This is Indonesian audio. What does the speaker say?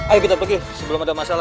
ayo kita pakai sebelum ada masalah